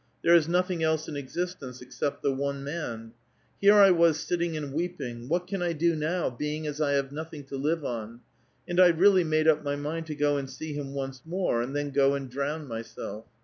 There is nothing else in existence except the one man. Here 1 was sitting and weeping, ' What can I do now, being as I have nothing to live on?* And 1 really made up my mind to go and see him once more, and then go and drown myself.